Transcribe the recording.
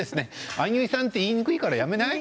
あんゆいさんって言いにくいからやめない？